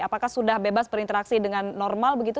apakah sudah bebas berinteraksi dengan normal begitu